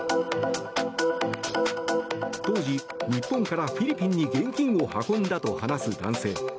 当時、日本からフィリピンに現金を運んだと話す男性。